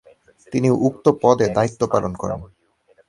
তিনি উক্ত পদে দায়িত্ব পালন করেন।